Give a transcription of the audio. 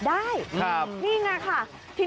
ไม่แตกนะครับ